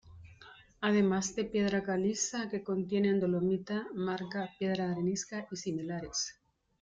Además de piedra caliza, que contienen dolomita, marga, piedra arenisca y similares.